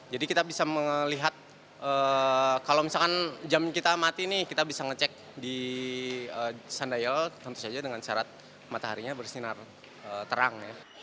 jadi kita bisa melihat kalau misalkan jam kita mati ini kita bisa ngecek di sundial tentu saja dengan syarat mataharinya bersinar terang